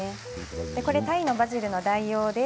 これはタイのバジルの代用です。